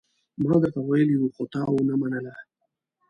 ما درته ويلي وو، خو تا ونه منله.